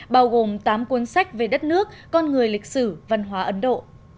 bao gồm tám cuốn sách về đất nước con người lịch sử văn hóa ấn độ